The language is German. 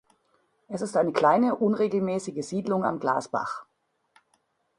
Es ist eine kleine, unregelmäßige Siedlung am Glasbach.